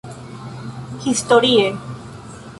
Historie